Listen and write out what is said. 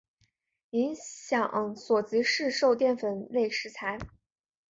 影响所及市售淀粉类食材。